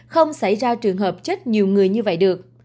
không xảy ra trường hợp chết nhiều người như vậy được